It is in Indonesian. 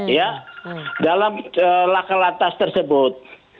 ya dalam lakalantas tersebut